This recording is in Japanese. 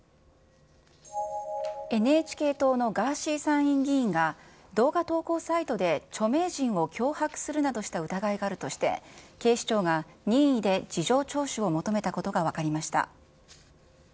ＮＨＫ党のガーシー参院議員が、動画投稿サイトで著名人を脅迫するなどした疑いがあるとして、警視庁が任意で事情聴取を求めたことが分かりました。